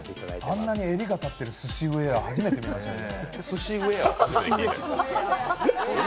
あんなに襟が立ってるすしウエア初めて見ましたね。